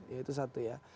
itu satu ya